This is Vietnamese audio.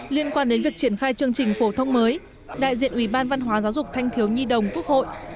liên quan đến việc triển khai chương trình phổ thông mới đại diện ủy ban văn hóa giáo dục thanh thiếu nhi đồng quốc hội